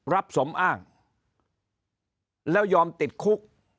รับสมอ้างแล้วยอมติดคุก